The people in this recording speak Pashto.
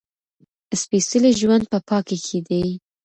سپېڅلی ژوند په پاکۍ کې دی.